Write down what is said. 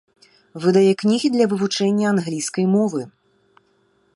Выдае кнігі для вывучэння англійскай мовы.